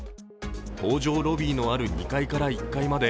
搭乗ロビーのある２階から１階まで